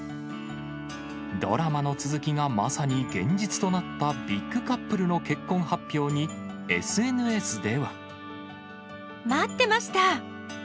ドラマの続きがまさに現実となったビッグカップルの結婚発表に、待ってました。